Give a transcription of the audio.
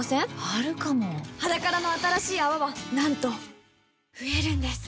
あるかも「ｈａｄａｋａｒａ」の新しい泡はなんと増えるんです